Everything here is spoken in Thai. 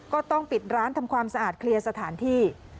ก็ต้องปิดร้านทำความสะอาดเคลียร์สถานที่